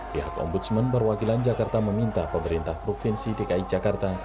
pihak ombudsman perwakilan jakarta meminta pemerintah provinsi dki jakarta